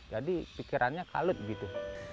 jadi pikirannya kalut gitu